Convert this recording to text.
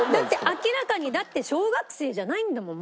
明らかにだって小学生じゃないんだもん体が。